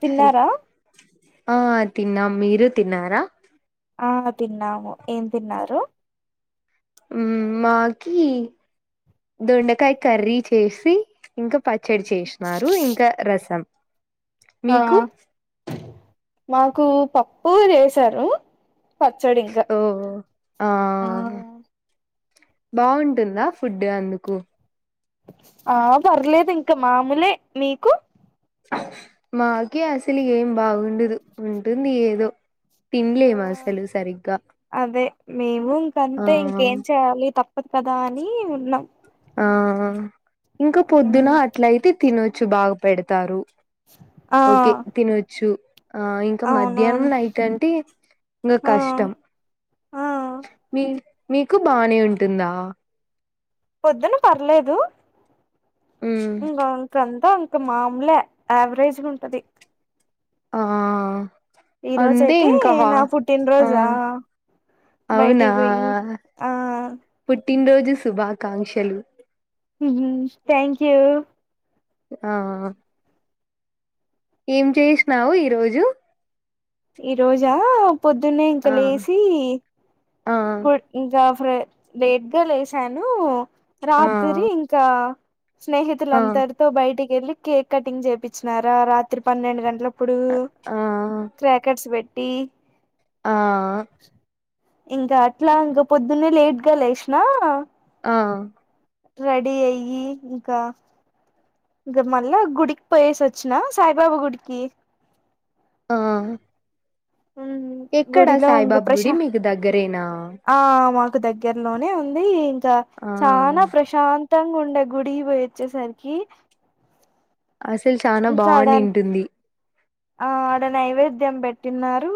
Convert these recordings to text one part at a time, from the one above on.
తిన్నారా ఆ తిన్నాం మీరు తిన్నారా ఆ తిన్నాము ఏం తిన్నారు ఉమ్ మాకి దొండకాయ కర్రీ చేసి ఇంకా ప చెడి చేసినారు ఇంకా రసం ఆ మీకు మాకు పప్పు చేసారు పచ్చడికా ఓ ఆ బాగుంటుందా ఫుడ్డు అందుకు ఆ పర్లేదు ఇంకా మామూలే మీకు మాకే అసలు ఏం బాగుండదు ఉంటుంది ఏదో తిన్లేము అసలు సరిగ్గా మే రూం ఆ కంతే ఇంకేం చేయాలి తక్ కొత్తదా అని ఉన్నాం ఆ ఇంకా పొద్దున అట్ల అయితే తినొచ్చు బాగా పెడతారు ఆ ఓకే తిన వచ్చు ఆ ఇంకా మధ్యాహ్నం అవునవును నైట్ అంటే ఇంకా ఆ కష్టం ఆ మీ మీకు బానే ఉంటుందా పొద్దున పర్లేదు [unintelligible] అ ఇంకా మాముూలే యావరేజ్ గా ఉంటది ఆ ఈ అంతే రోజయితే ఇంకా హా నా ఆ పుట్టినరోజా అవునా బయటికి పోయి ఆ పుట్టినరోజు శుభాకాంక్షలు థ్యాంక్ యూ ఆ ఏం చేసినావు ఈ రోజు ఈ రోజా పొద్దున్నే ఇంక ఆ లేసి ఆ గు ఇంకా లేట్గా లేసాను ఆ రాత్రి ఇంకా స్నేహితులు ఆ అందరితో బయటికి వెళ్ళి కేక్ కటింగ్ చేపిచ్చినారా రాత్రి పన్నెండు గంటలకు ఇప్పుడు ఆ [unintelligible] పెట్టి ఆ ఆ ఇంకా అట్లా ఇంకా పొద్దున్నే లేట్గా లేసిన ఆ రెడీ అయ్యి ఇంకా ఇకా మళ్ళా గుడికి పోయేసి వచ్చిన సాయిబాబా గుడికి ఆ మ్మ్. ఎక్కడా గుడిలో ఇంకా సాయిబాబు ప్రశా గుడి మీకు దగ్గరేనా దగ్గర లోనే ఉంది ఆ చనా ప్రశాంత్ [unintelligible] గుడి పోయి వచ్చేసరికి అసలు చాలా ఇంకా ఆడ బాగునింటుంది ఆ ఆడ నైవేద్యం పెట్టిన్నారు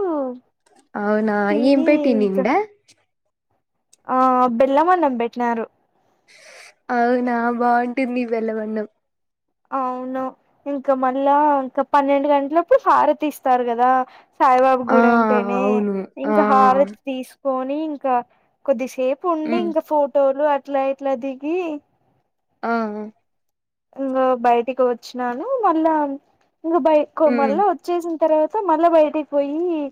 అవునా ఏం పెట్టిండా ఆ బెల్ల అన్నం పెట్టినారు అవునా బాగుంటుంది బెల్లం అన్నం అవును ఇంకా మళ్ళా ఇంకా పన్నెండు గంటలప్పుడు హారతి తీస్తారు కదా సాయిబాబు ఆ గుడ అంటేనే అవును ఇంకా ఆ హారతి తీసు పోని ఇంకా కొద్ది సేపు ఉండి హ్మ్. ఇంకా ఫోటోలు ఇట్లా ఇట్లా దిగి ఆ ఇంకా బయటికి వచ్చినాను మళ్ళా ఇంకా బయ హ్మ్. మళ్ళ వచ్చేసి తర్వాత మళ్ళా బయటకి పోయి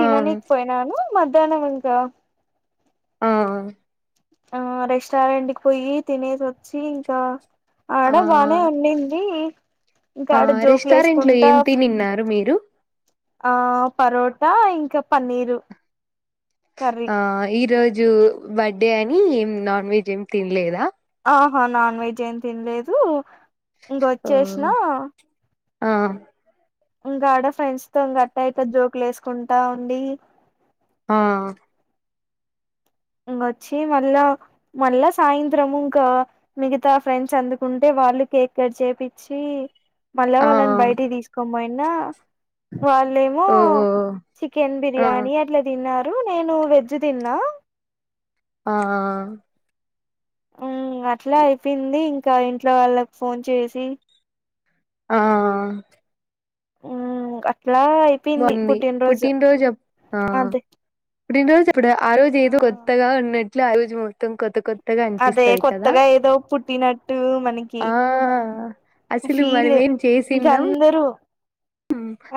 ఆ! మద్యానం ఇంకా ఆ ఆ రెస్టారెంట్ కి పోయి తినేసి వచ్చి ఇంకా ఆ! ఆడ బానే ఉనింది ఆ రెస్టారెంట్లు ఏమి తినిన్నారు మీరు ఆ పరోటా ఇంకా పన్నీరు కర్రీ ఆ ఈరో జు బర్త్డే అని ఏం నాన్ వెజ్ ఏమి తినలేదా ఆహా నాన్ వెజ్ ఏం తినలేదు ఇంకవొచ్చేసిన ఓహ్! ఆ ఇంకా ఆడ ఫ్రెండ్స్ తో ఆటా ఈటా జోక్లు వేసుకుంటా ఉండి ఆ ఇంకొచ్చి మళ్ళా మళ్ళా సాయంత్రం ఇంకా మిగతా ఫ్రెండ్స్ అందుకుంటే వాళ్ళు కేక్ కట్ చేపిచ్చి మళ్ళా ఆ! వాళ్ళని బయటికి తీసుకోమ్మ నా వాళ్ళేమో ఓహ్! చికెన్ ఆ! బిర్యానీ అట్లా తిన్నారు నేను వెజ్ తిన్నా ఆ ఆ అట్లా అయిపోయింది ఇంకా ఇంట్లో వాళ్ళకు ఫోన్ చేసి ఆ ఉ ఇలా అయిపోయింది బావుంది. పుట్టినరోజు అదే పుట్టినరోజ ఇప్పుడు ఆ రోజ ఏది కొత్తగా ఉన్నట్టు ఆ రోజు మొత్తం కొత్త కొత్తగా అదే అనిపిస్తది కదా! కొత్తగా ఏదో పుట్టినట్టు మనకి ఆ! అసలు ఫీల్ మనమేం ఇంక చేసిన్నాం అందరూ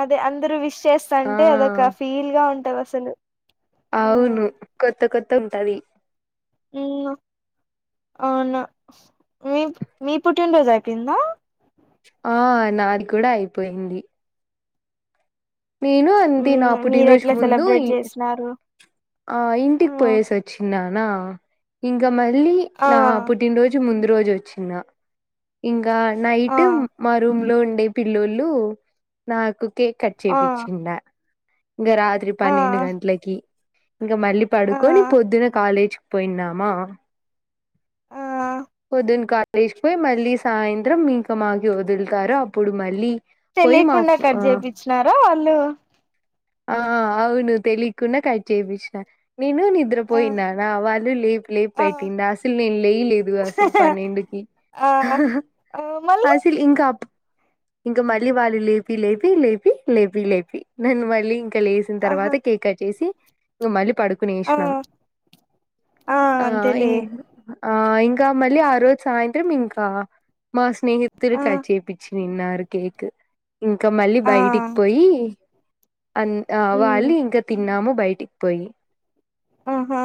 అదే అందరు విష్ చేస్తంటే ఆ! అదొక ఫీల్ గా ఉంటది సను అవును కొత్తకొ ఉంటది అవునా మీ మీ పుట్టినరోజు అయిపోయిందా ఆ నాది కూడా అయిపోయింది నేను అంతి నా ఉమ్ మీరు పుట్టినరోజు ఎట్లా ముందు సెలబ్రేట్ చేసినారు ఆ ఇంటికి పోయేసి వచ్చినా నా ఇంక మై మళ్లీ ఆ నా పుట్టినరోజు ముందు రోజు వచ్చిన ఇం గా ఆ నైటు మా రూమ్ లో ఉండే పిల్లొల్లు నాకు కే ఆ చేపిచ్చిండ ఇంగ రాత్రి ఆ పన్నెండు గంట్లకి ఇంకా మళ్ళీ ఆ పడుకొని పొద్దున కాలేజ్ పోయినామా ఆ పొద్దున కాలేజ్ కి పోయ్ మళ్ళీ సాయంత్రం ఇంక మాకి వదులుతారు అప్పుడు మళ్ళీ పోయి మా తెలీకుండా ఫ్- కడ్ ఆ జేపిచ్చినారు వాళ్ళు ఆ అవును తెలీకుండా కట్ చేపిచ్చినారు నేను ఆ నిద్రపోయినా నా వాళ్ళు లేపు లేపు ఆ పెట్టింది అసలు నేను లేయలేదు అసలు పన్నెండుకి ఆ ఆ మళ్ళీ అసలు ఇంకా అ ఇంక మళ్ళీ వాళ్ళు లేపి లేపి లేపి లేపి లేపి నన్ మళ్ళీ ఇంక్ క లేసిన ఆహా తర్వాత కేక్ కట్ చేసి ఇంగ మలి ఆ పడుకునేషనం ఆ ఇం ఆ ఆ ఇంకా మళ్ళీ ఆ రోజు సాయంత్రం ఇంకా మా స్నేహితులు ఆ కాట్ చేపిచ్చి దిన్నారు కేక్ ఇంకా మళ్ళీ ఆ బయటి పోయి అన్ ఉమ్ వాళ్ళు ఇంక తిన్నాము బయిటికి పోయి ఆహా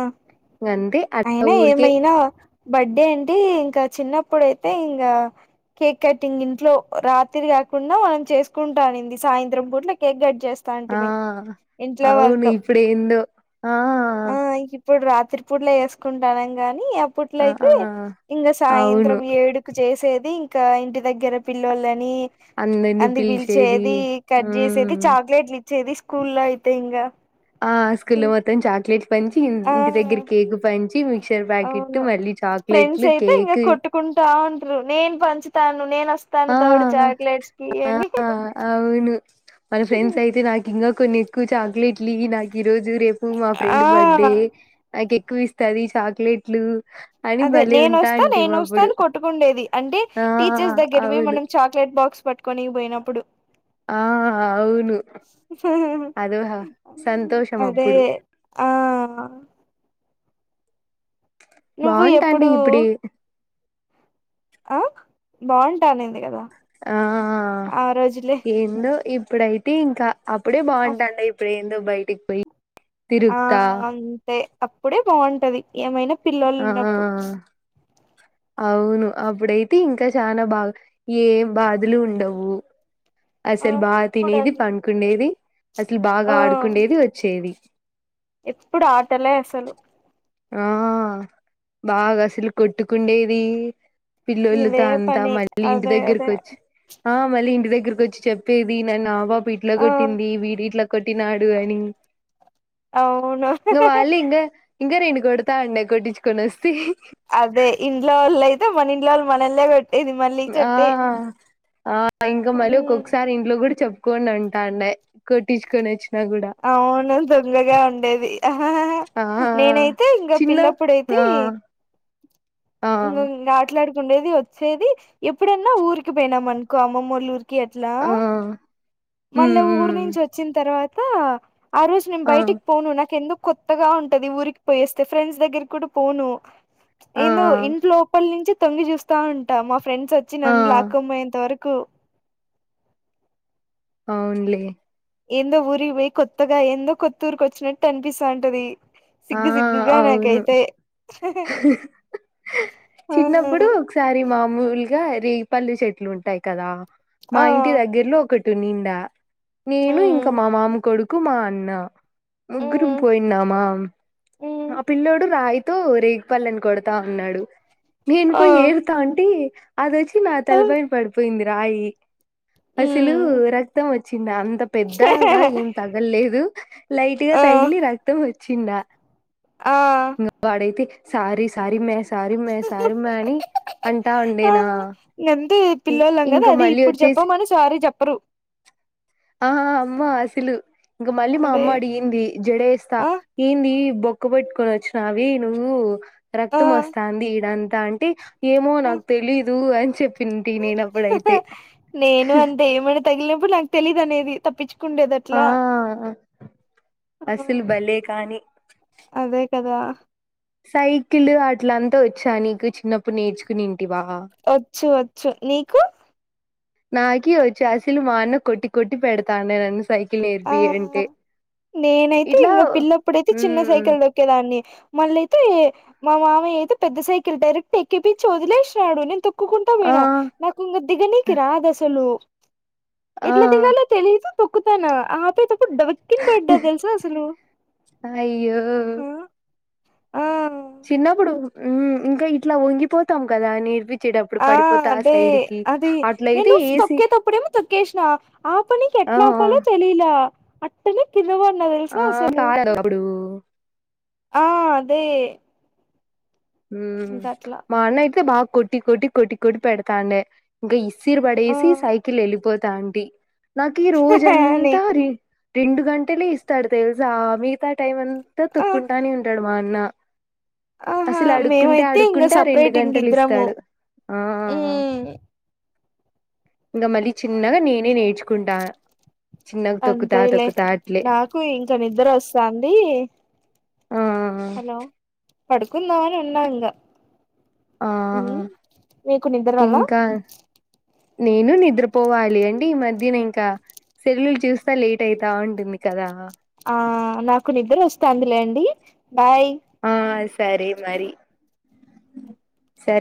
అంతే అట్లా అయినా ఊరికే ఏమైనా బర్త్డే అంటే ఇంకా చిన్నప్పుడుయితే ఇంగ కేక్ కట్టింగ్ ఇంట్లో రాత్రి గాకుండా మనం చేసుకుంటానింది సాయంత్రం పూట్ల కేక్ గట్ ఆ అవును ఇప్పుడు ఎందో ఆ ఆ ఇంకా ఇప్పుడు రాత్ర తిరుపూర్లో వేసుకుంటానం గాని, ఇప్పట్లో ఆ అయితే ఇంకా అవును సాయంత్రం ఏడు చేసేది ఇంకా ఇంటి దగ్గర పిల్లోలని ని అంది పిలిచేది కట్ చేసేది మ్మ్ చాక్లెట్లు ఇ వచ్చేది స్కూల్లో అయితే ఇంకా, ఆ స్కూల్ మొత్తం చాక్లేట్, పంచి ఆ ఇంటి దగ్గర కేక్ ప పంచి, మిక్షర్ ప్యాకెట్, అవును మళ్ళీ ఫ్రెండ్స్ చాక్లెట్లు అయితే ఇంగ కేక్ కొట్టుకుంటా నేను పంచుతాను, నేను వస్తాను ఆ తోడు చాక్లెట్స్ కి ఆ అని అవును మన ఫ్రెండ్స్ అయితే నాకు ఇంకా కొన్ని ఎక్కువ చాక్లెట్లు ఇయ్యి నాకు ఈ రోజు, రేపు మా ఆ ఫ్రెండ్ బర్త్డే నాకు ఎ ఎక్కువవిస్తది, చాక్లెట్లు అని అదే భలే నేను వస్తా నేను ఉంటాంటిమి వస్తా అప్పుడు అని కొట్టుకుండేది అంటే ఆ టీచర్స్ దగ్గర, మే అవును మనం చాక్లట్ బాక్స్ పట్టుకొన్ని, నేను పోయినప్పుడు. ఆ అవును. అదోహా సంతోషం అదే అప్పుడు, ఆ నువ్వు బాగుంటాండి ఎప్పుడూ ఇప్పుడు ఆ బాగుంట అనింది కదా, ఆ ఆ రోజులే ఏందో ఇ ఇప్పుడైతే ఇంకా, అప్పుడే బాగుంటాండే ఇప్పుడు ఎం, దా బయటికి పోయి ఆ తిరుగుతా అంతే అప్పుడే బావుంటది ఏమైనా పిల్లలు ఆ ఉన్నప్పుడు, అవును అప్పుడైతే ఇంకా చాలా బా ఏ బాధలు ఉండవు. ఆ అసలు బాగా ఇప్పుడు తినేది పండుకునేది. ఆ ఎప్పుడు ఆటలే అసలు. ఆ బాగా అసలు కొట్టుకుండేది. పిలొల్లుతో ఇదే అంతా పని మళ్ళీ ఇంటి అదే దగ్గర అదే కొచ్ ఆ మళ్ళీ ఇంటి దగ్గరకు. చెప్పేది ఈనానవ్ ఇట్ల ఆ కొట్టింది విడిట్ల కొట్టినాడు అని అవును [unintelligible] నువ్వు వాళ్ళ ఇంగ ఇంగ రేను కొడతా అండే కొట్టించుకొని వస్తీ. అదే ఇంట్లోలై మన ఇంట్లొవోల్ మనల్నే పే ఇది మళ్ళీ ఆ చెప్తే ఆ ఇంకా మళ్ళీ ఉమ్, ఒక్కొక్కసారి ఇంట్లో కూడా చెప్ కొండంటండే కొట్టించుకొని నోచ్ అవును దొంగగా ఉండేది హహహ ఆ నేనైతే ఇంకా చిన్న పిల్లప్పుడైతే ఆ ఆ ఆట్లాడుకు. ఉండేది వచ్చేది ఎప్పుడన్నా ఊరికి పోయినాం అనుకో అమ్మమోళ్ళ ఊరికి. గెట్లా ఆ ఉమ్ మళ్ళా ఉమ్ ఊరు నుంచి వచ్చిన తర్వాత. ఆ. ఆ రోజ్ నేన్ ఆ బైటిక్ పోను నాకెందుక్. కొత్తగా ఉంటది ఊరికి పోయేస్తే ఫ్రెండ్స్ దగ్గర కూడా పోను ఆ ఇను ఇంట్ లోపలి నుంచి తొంగి చూస్తా ఉంటా మ ఫ్రెండ్స్ వచ్చి ఆ నన్నులేకున్పోయేంతవరకు కు అవున్లే ఎందో ఊరికి పోయి కొత్తగా ఎందో కొత్త ఊరికి వచ్చినట్టు అనిపిస్తా అంటది ఆ అవును చిన్నప్పుడు ఒకసారి మామూలు గ రేగిపళ్లు చెట్లు ఉంటాయి కదా మా ఆ ఇంటి దగ్గర్లో ఒకటి తునిండా నేను ఇంకా మ్ మా మామ కొడుకు కుమా అన్నా ముగ్గురం మ్ పోయిన్నామా మ్ ఆ పిల్లోడు రాయితో రేగిపల్లని కొడతా ఉన్నాడు నేను ఆ పోయి ఏదిత అంటీ అదోచి నా తలపైన పడిపోయింది రాయి అసలు మ్ రక్తం వచ్చ చినా అంత పెద్దగా ఏం తగలేదు లైట్ గా ఆ తగిలి రక్తం వ చిన్న ఆ ఇ వాడైతే సారి సారి మ సారమ్మా సారమ్మా అని అంటా ఆ ఉండేనా గంతే పిల్లోలం కదా ఇంకా అదే మళ్ళీ ఇప్పుడు వచ్చేసి చెప్పమని సారీ చెప్పరు ఆహా అమ్మా అసలు ఇంకా మళ్ళీ మా అదే అమ్మా అడిగింది జడ వేస్తా ఆ ఏంది బొక్క పెట్టుకొని వచ్చిన అవి నువ్వు ఆ రక్తం వస్తుంది ఈడంత తంటి ఏమో నాకు తెలీదు అని చెప్ప నేను అంతే ఏమని తగిలినప్పుడు నాకు తెలీదునేది తప్పించు కుందేది ఆ అట్లా ఆ అసలు భలే కాని అదే కదా సైకిల్ అట్లంతా వచ్చా నీకు చిన్నప్పుడు నేర్చుకుని వచ్చు వచ్చు నీకు నాకి వచ్చి అసలు మా అన్న కొట్టి కొట్టి పెడతా నే నన్ను సైకి ఆ నేనైతే ఇట్లా ఇంక పిల్లప్పుడైతే చిన్న మ్మ్ సైకిల్ దొక్కేదాన్ని మళ్ళయితే మా మామయ్య అయితే పెద్ద సైకిల్ డైరెక్ట్ ఎక్కి పించి వదిలేసినడు నేను తొ తొ క్కుకుంటా ఆ పోయినా నాకు ఇంకా దిగ నీకి రాదు అసలు ఆ ఎట్లా దిగాలో తెలియదు తొక్కుతానా ఆ పడ్డ వికిన్ బడ్డ తెలుస అసలు అయ్యో ఆ ఆ చిన్నప్పుడు ఇంకా ఇట్లా వంగిపోతాం కదా నేర్పి ఆ అదే అదే అట్లయితే నేను ఏసి తొక్కేటప్పుడేమో తొక్కేసినా ఆ ప నీకు ఆ ఎట్లా ఆపలో తెలిలా నువ్వు ఎట్లా టే ఆ అసలు కాదు అప్పుడు ఆ దే మా అన్న అయితే బాగా కొట్టి కొట్టి కొట్టి కొట్టి పెడతాడి ఇంకా ఆ సిరుబడేసి సైకిల్ వెళ్ళపోతుంది తాంటీ నాకి ఈ రోజ అని ఎంతా అ రెండు గంటలే ఇస్తాడు తెలుసా మిగతా టైం అంతా ఆ తొక్కుంటానే ఉంటాడు మా అన్న ఆహా అసలు అడుక్కుంటే మేమైతే ఇంగ అడుక్కుంటే ఆ రెండు సపరేట్ ఇంగ గంటలు ఇద్దరము ఇస్తాడు ఆ ఉమ్ ఇంకా మళ్ళీ చిన్నగా నేనే నేర్చుకుంటా చిన్నగా తొక్కుతా అంతేలే తొక్కుతా అట్లే నాకు ఇంక నిద్ర వస్తాంది ఆ హలో పడుకుందవన ఉన్నా ఇంకా ఆ మీకు నిద్ర రాలా ఇంకా నేను నిద్రపోవాలి అంటే ఈ మధ్యన ఇంకా సీరియల్ చూస్తా లేట్ అయితా ఉంటుంది కదా ఆ నాకు నిద్ర వస్తుందిలేండి బాయ్ ఆ సరే మరి సరే